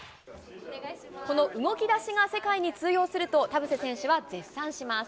この動きだしが世界に通用すると、田臥選手は絶賛します。